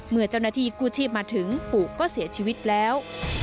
เมื่อเจ้าหน้าที่กู้ชีพมาถึงปู่ก็เสียชีวิตแล้ว